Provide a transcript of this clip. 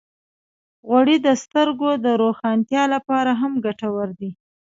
غوړې د سترګو د روښانتیا لپاره هم ګټورې دي.